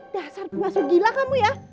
dasar masuk gila kamu ya